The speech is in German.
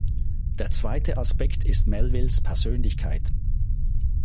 Der zweite Aspekt ist Melvilles Persönlichkeit.